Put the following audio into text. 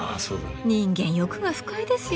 人間欲が深いですよね。